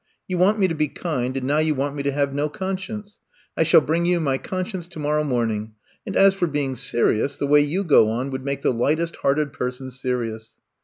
You want me to be kind, and now you want me to have no con science. I shall bring you my conscience tomorrow morning. And as for being seri ous, the way you go on would make the lightest hearted person serious."